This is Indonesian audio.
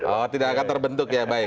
oh tidak akan terbentuk ya baik